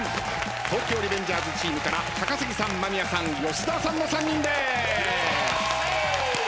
東京リベンジャーズチームから高杉さん間宮さん吉沢さんの３人でーす。